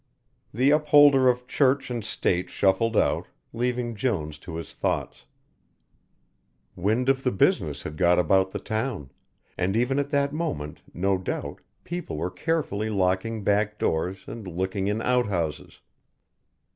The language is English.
The upholder of Church and State shuffled out, leaving Jones to his thoughts. Wind of the business had got about the town, and even at that moment no doubt people were carefully locking back doors and looking in out houses.